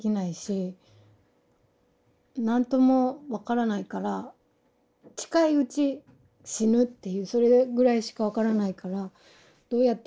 何とも分からないから近いうち死ぬっていうそれぐらいしか分からないからどうやって生きるのかすぐ考えて。